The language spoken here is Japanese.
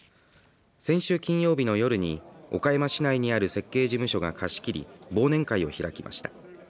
先週金曜日の夜に岡山市内にある設計事務所が貸し切り忘年会を開きました。